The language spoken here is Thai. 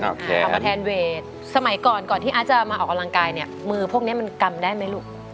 ออกมาแทนเวทสมัยก่อนก่อนที่อาร์ตจะมาออกกำลังกายเนี่ยมือพวกนี้มันกำได้ไหมลูก